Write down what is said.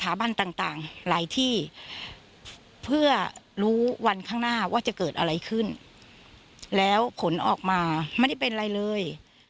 บันต่างหลายที่เพื่อรู้วันข้างหน้าว่าจะเกิดอะไรขึ้นแล้วผลออกมาไม่ได้เป็นอะไรเลย